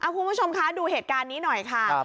คุณผู้ชมคะดูเหตุการณ์นี้หน่อยค่ะ